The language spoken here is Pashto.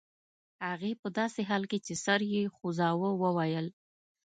هغې په داسې حال کې چې سر یې خوځاوه وویل